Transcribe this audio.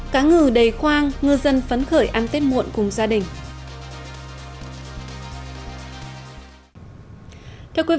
cá ngừ đầy khoang ngư dân phấn khởi ăn tết muộn cùng gia đình